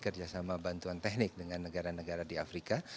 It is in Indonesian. kerjasama bantuan teknik dengan negara negara di afrika